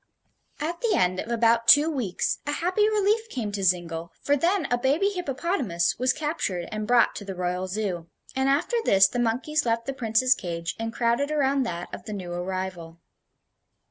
At the end of about two weeks a happy relief came to Zingle, for then a baby hippopotamus was captured and brought to the Royal Zoo, and after this the monkeys left the Prince's cage and crowded around that of the new arrival.